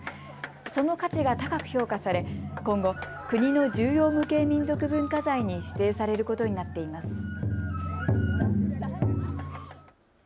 その価値が高く評価され今後、国の重要無形民俗文化財に指定されることになっています。